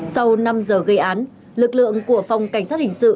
sau năm giờ gây án lực lượng của phòng cảnh sát hình sự